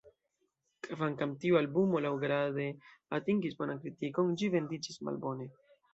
Kvankam tiu albumo laŭgrade atingis bonan kritikon, ĝi vendiĝis malbone.